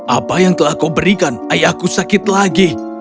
apa yang telah kau berikan ayahku sakit lagi